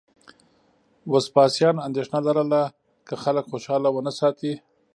وسپاسیان اندېښنه لرله که خلک خوشاله ونه ساتي